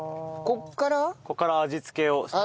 ここから味付けを。